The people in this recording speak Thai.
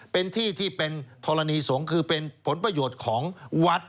เป็นที่ที่เป็นธรณีสงฆ์คือเป็นผลประโยชน์ของวัด